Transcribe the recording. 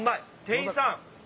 店員さん！